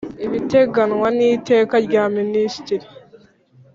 Ibitegenywa n’iteka rya Minisitiri